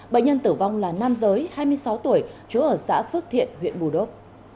bệnh nhân tử vong là nam giới hai mươi sáu tuổi trú ở xã phước thiện huyện bù đốc